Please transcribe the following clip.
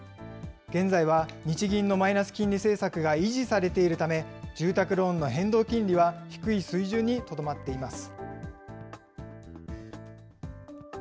現在は日銀のマイナス金利政策が維持されているため、住宅ローンの変動金利は低い水準にとどまっています。